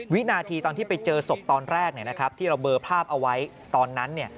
วินาทีตอนที่ไปเจอศพตอนแรกที่เราเบอร์ภาพเอาไว้ตอนนั้น